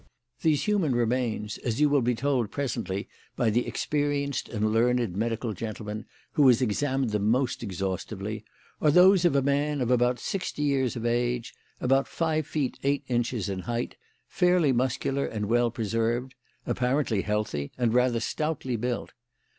These human remains, as you will be told presently by the experienced and learned medical gentleman who has examined them most exhaustively, are those of a man of about sixty years of age, about five feet eight inches in height, fairly muscular and well preserved, apparently healthy, and rather stoutly built.